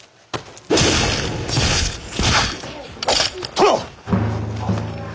殿！